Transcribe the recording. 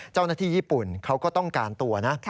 เจ้าหน้าที่ญี่ปุ่นเขาก็ต้องการตัวนะ